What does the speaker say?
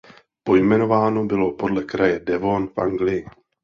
Pojmenováno bylo podle kraje Devon v Anglii.